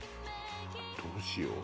どうしよう。